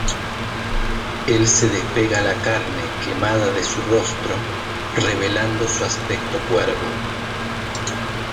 Él se despega la carne quemada de su rostro, revelando su aspecto cuervo.